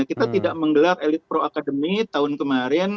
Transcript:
kita tidak menggelar elite pro academy tahun kemarin